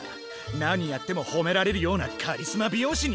何やってもほめられるようなカリスマ美容師になりたい！